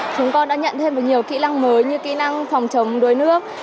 chúng con đã nhận thêm nhiều kỹ năng mới như kỹ năng phòng chống đối nước